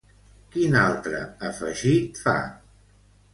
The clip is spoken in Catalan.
Quin altre afegit fa?